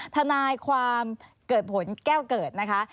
ทนายความเกิดผลแก้วเกิดนะคะ